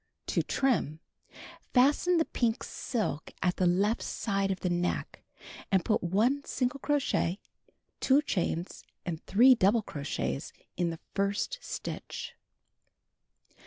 To Trim. — Fasten the pink silk at the left side of the neck, and put 1 single crochet, 2 chains and 3 double crochets in the hrst stitch.